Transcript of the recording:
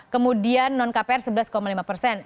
kemudian non kpr sebelas lima persen